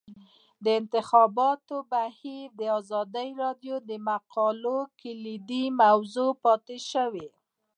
د انتخاباتو بهیر د ازادي راډیو د مقالو کلیدي موضوع پاتې شوی.